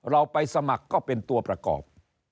เราไปสมัครก็เป็นตัวประกอบ